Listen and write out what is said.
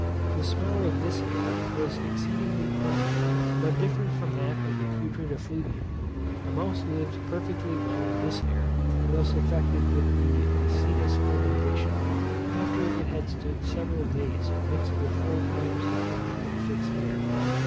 The smell of this air was exceedingly pungent, but different from that of the putrid effluvium. A mouse lived perfectly well in this air, thus affected with the acetous fermentation; after it had stood several days mixed with four times the quantity of fixed air.